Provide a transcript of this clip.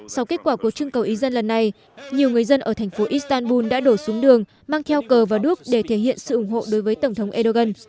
sau kết quả cuộc chương cầu ý dân lần này nhiều người dân ở thành phố istanbul đã đổ súng đường mang theo cờ vào đức để thể hiện sự ủng hộ đối với tổng thống erdogan